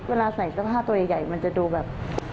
เวลาใส่สภาพใหญ่มันจะดูแบบ